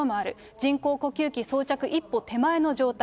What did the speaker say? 人工呼吸器装着一歩手前の状態。